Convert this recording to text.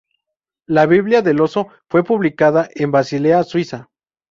La Biblia del Oso fue publicada en Basilea, Suiza.